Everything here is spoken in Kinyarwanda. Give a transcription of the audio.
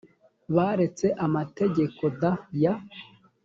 baretse amategeko d ya